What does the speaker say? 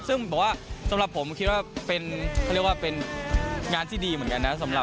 ซึ่งสำหรับผมคิดว่าเป็นงานที่ดีเหมือนกันนะ